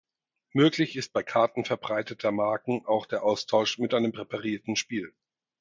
Möglich ist bei Karten verbreiteter Marken auch der Austausch mit einem präparierten Spiel.